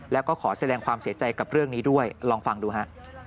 แล้วก็ขอแสดงความเสียใจกับเรื่องนี้ด้วยลองฟังดูฮะ